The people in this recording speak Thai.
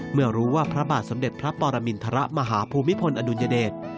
เมื่อรู้ว่าพระบาทสมเด็จพระปรมินทรมาฮภูมิพลอดุลยเดช